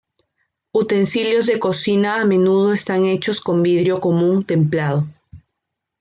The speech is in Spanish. Utensilios de cocina a menudo están hechos con vidrio común templado.